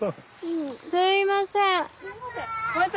すいません。